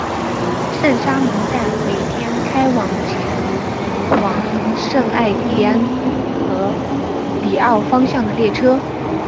圣沙蒙站每天开行前往圣艾蒂安和里昂方向的列车。